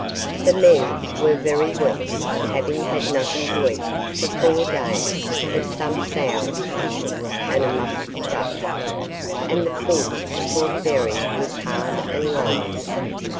The men were very weak, having had nothing to eat for four days but some sow thistles and a musk duck, and the pull to Port Fairy was hard and long.